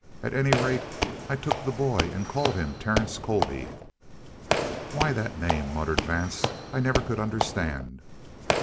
"At any rate, I took the boy and called him Terence Colby." "Why that name," muttered Vance, "I never could understand."